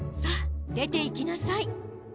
さあ出ていきなさい。